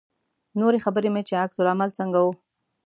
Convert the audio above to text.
نورې خبرې مې چې عکس العمل څنګه و.